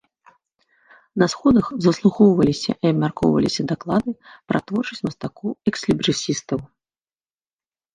На сходах заслухоўваліся і абмяркоўваліся даклады пра творчасць мастакоў-экслібрысістаў.